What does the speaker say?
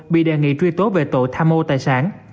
bị đề nghị truy tố về tội tham mô tài sản